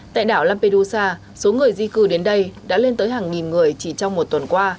tại đảo lampedusa số người di cư đến đây đã lên tới hàng nghìn người chỉ trong một tuần qua